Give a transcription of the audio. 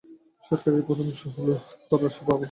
সরকারি আয়ের প্রধান উৎস হলো কর রাজস্ব বাবদ সংগৃহীত অর্থ।